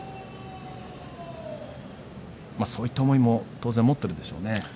そういった思いも当然持ってるでしょうね。